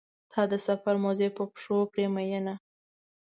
تا د سفر موزې په پښو کړې مینه.